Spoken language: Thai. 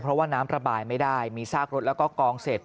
เพราะว่าน้ำระบายไม่ได้มีซากรถแล้วก็กองเสร็จ